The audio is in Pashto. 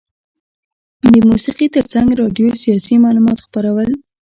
د موسیقي ترڅنګ راډیو سیاسي معلومات خپرول.